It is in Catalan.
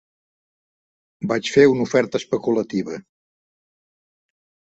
Vaig fer una oferta especulativa.